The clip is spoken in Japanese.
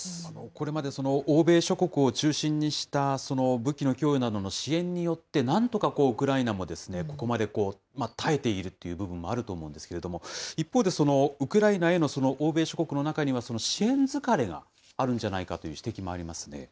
これまで、欧米諸国を中心にした武器の供与などの支援によって、なんとかウクライナもここまで耐えているという部分もあると思うんですけれども、一方で、ウクライナへの欧米諸国の中には支援疲れがあるんじゃないかという指摘もありますね。